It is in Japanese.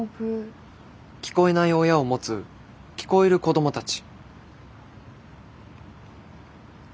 聞こえない親を持つ聞こえる子供たち。